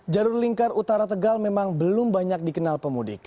jalur lingkar utara tegal memang belum banyak dikenal pemudik